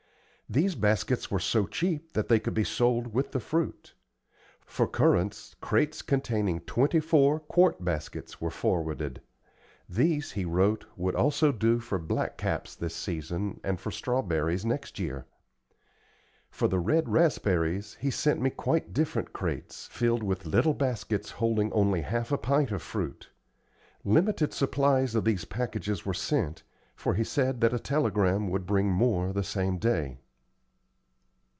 These baskets were so cheap that they could be sold with the fruit. For currants, crates containing twenty four quart baskets were forwarded. These, he wrote, would also do for black caps this season, and for strawberries next year. For the red raspberries he sent me quite different crates, filled with little baskets holding only half a pint of fruit. Limited supplies of these packages were sent, for he said that a telegram would bring more the same day.